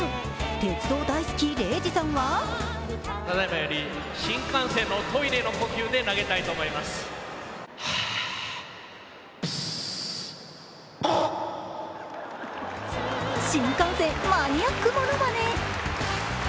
鉄道大好き・礼二さんは新幹線マニアックものまね。